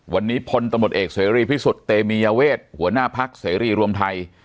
วันนี้พลตมติเอกเสรียรีย์พิสุทธิ์เตมียเวชหัวหน้าภักดิ์เสรียรีย์รวมไทย